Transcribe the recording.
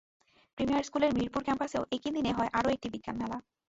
Premier স্কুলের মিরপুর ক্যাম্পাসেও একই দিনে হয় আরও একটি বিজ্ঞান মেলা।